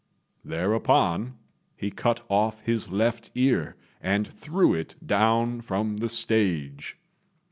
Thereupon he cut off his left ear and threw it down from the stage.